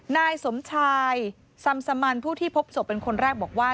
นายสมชายซำสมันผู้ที่พบศพเป็นคนแรกบอกว่า